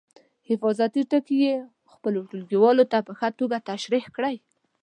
حفاظتي ټکي یې خپلو ټولګیوالو ته په ښه توګه تشریح کړئ.